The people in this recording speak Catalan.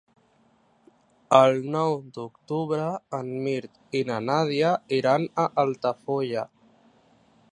El nou d'octubre en Mirt i na Nàdia iran a Altafulla.